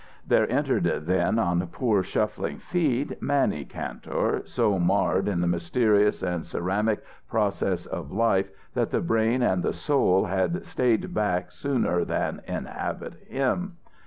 There entered then, on poor shuffling feet, Mannie Kantor so marred in the mysterious and ceramic process of life that the brain and the soul had stayed back sooner than inhabit him.